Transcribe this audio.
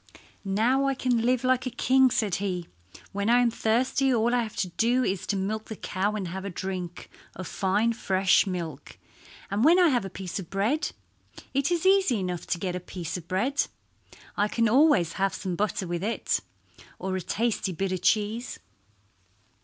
"Now I can live like a king," said he. "When I am thirsty all I have to do is to milk the cow and have a drink of fine fresh milk; and when I have a piece of bread—it is easy enough to get a piece of bread—I can always have some butter with it, or a tasty bit of cheese."